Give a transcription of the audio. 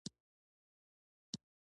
مېلمه ته د کور د زړو شیانو شکایت مه کوه.